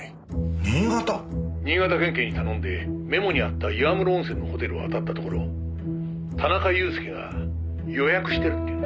「新潟県警に頼んでメモにあった岩室温泉のホテルを当たったところ田中裕介が予約してるっていうんだ」